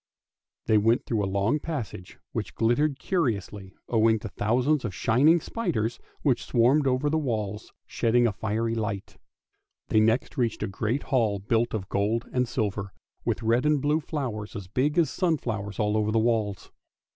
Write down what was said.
They went through a long passage which glittered curiously, owing to thousands of THE TRAVELLING COMPANIONS 377 shining spiders which swarmed over the walls, shedding a fiery light. They next reached a great hall built of gold and silver, with red and blue flowers as big as sunflowers all over the walls.